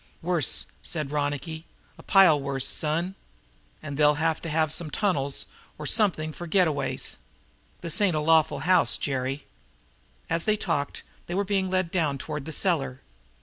"Worse," said Ronicky, "a pile worse, son. And they'll sure have to have some tunnels or something for get aways. This ain't a lawful house, Jerry." As they talked, they were being led down toward the cellar.